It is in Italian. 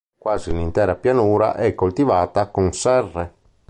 Quasi l'intera pianura è coltivata con serre.